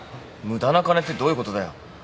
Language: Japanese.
無駄な金ってどういうことだよ。